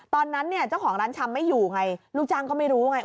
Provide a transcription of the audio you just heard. ตอนนั้นเนี่ยเจ้าของร้านชำไม่อยู่ไงลูกจ้างก็ไม่รู้ไง